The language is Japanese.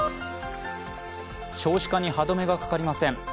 少子化に歯止めがかかりません。